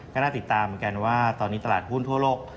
ก็น่าติดตามเหมือนกันว่าตอนนี้ตลาดหุ้นทั่วโลก